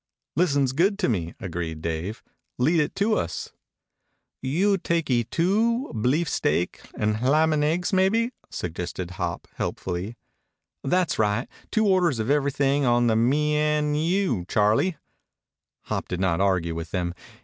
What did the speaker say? "Listens good to me," agreed Dave. "Lead it to us." "You takee two bleef steak and hlam'neggs, mebbe," suggested Hop helpfully. "Tha's right. Two orders of everything on the me an you, Charlie." Hop did not argue with them.